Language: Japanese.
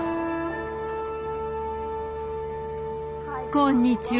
こんにちは